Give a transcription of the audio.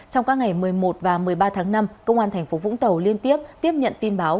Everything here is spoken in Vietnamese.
trong các ngày một mươi một và một mươi ba tháng năm công an thành phố vũng tàu liên tiếp tiếp nhận tin báo